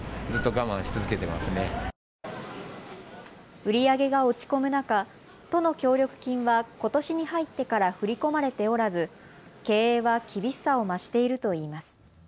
売り上げが落ち込む中、都の協力金はことしに入ってから振り込まれておらず経営は厳しさを増しているといいます。